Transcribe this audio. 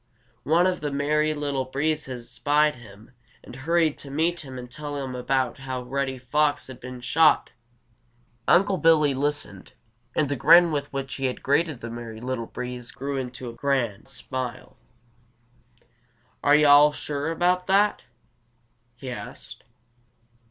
One of the Merry Little Breezes spied him and hurried to meet him and tell him about how Reddy Fox had been shot. Unc' Billy listened, and the grin with which he had greeted the Merry Little Breeze grew into a broad smile. "Are yo' all sure about that?" he asked.